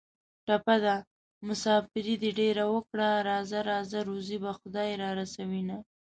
ټپه ده: مسافري دې ډېره وکړه راځه راځه روزي به خدای را رسوینه